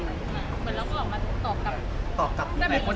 เหมือนเราก็หลอกมาตอบกับ